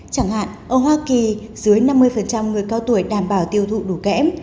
chẳng hạn ở hoa kỳ dưới năm mươi người cao tuổi đảm bảo tiêu thụ đủ kém